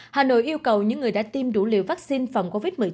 hà nội yêu cầu những người đã tiêm đủ liều vaccine phòng covid một mươi chín